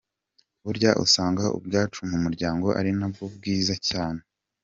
Burya usanga ubwacu mu muryango ari nabwo bwiza cyane.